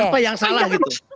apa yang salah gitu